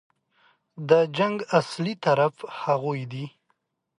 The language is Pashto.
د جنګ اصلي طرف هغوی دي.